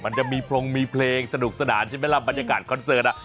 มันจะมีพรงมีเพลงสนุกสนานใช่ไหมล่ะบรรยากาศคอนเสิร์ต